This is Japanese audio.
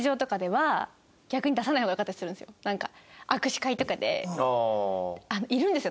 でもやっぱ握手会とかでいるんですよ